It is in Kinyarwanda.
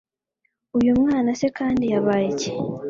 uyu mwana se kandi yabayiki!